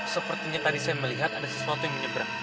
sepertinya saya melihat sesuatu yang menyebrang